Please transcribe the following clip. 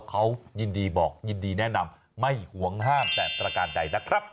เขายินดีบอกยินดีแนะนำไม่ห่วงห้ามแต่ประการใดนะครับ